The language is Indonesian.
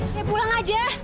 ya pulang aja